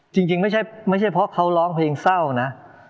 จริงไม่ใช่เพราะเขาร้องเพลงเศร้านะ